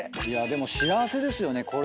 いやでも幸せですよね